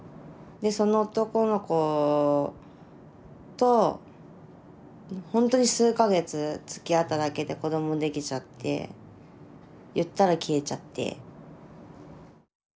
でその男の子とほんとに数か月つきあっただけで子どもできちゃって言ったら消えちゃって。